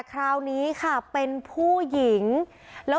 เดี๋ยวไปดูคลิปเลยอ่ะ